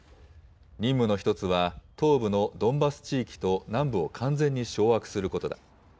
任務の一つは、東部のドンバス地域と南部を完全に掌握することだ。